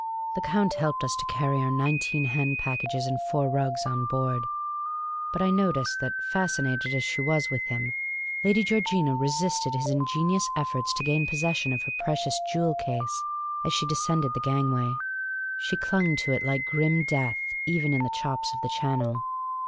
The Count helped us to carry our nineteen hand packages and four rugs on board ; but I noticed that, fascinated as she was with him, Lady Georgina resisted his ingenious efforts to gain possession of her precious jewel case as she descended the gangway. She clung to it like grim death, even in the chops of the Channel.